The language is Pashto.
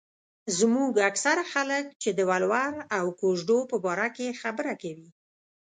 زموږ اکثره خلک چې د ولور او کوژدو په باره کې خبره کوي.